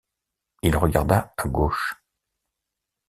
Il regarda à gauche.